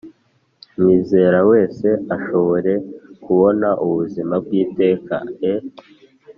umwizera wese ashobore kubona ubuzima bw iteka e